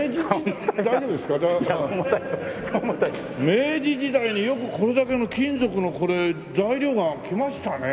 明治時代によくこれだけの金属のこれ材料が来ましたね。